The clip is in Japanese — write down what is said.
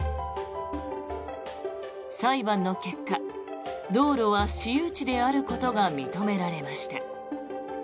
裁判の結果道路は私有地であることが認められました。